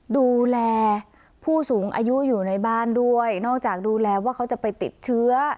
ดูแลผู้สูงอายุอยู่ในบ้านด้วยนอกจากดูแลว่าเขาจะไปติดเชื้อ